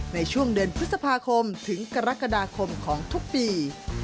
ในช่วงเดือนพฤษภาคมถึงกรกฎาคมของทุกปี